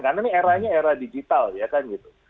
karena ini eranya era digital ya kan gitu